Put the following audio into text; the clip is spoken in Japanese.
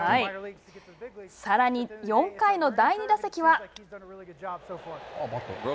さらに４回の第２打席は。